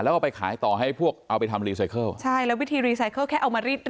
แล้วก็ไปขายต่อให้พวกเอาไปทำรีไซเคิลใช่แล้ววิธีรีไซเคิลแค่เอามารีด